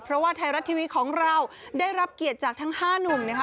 เพราะว่าไทยรัฐทีวีของเราได้รับเกียรติจากทั้ง๕หนุ่มนะคะ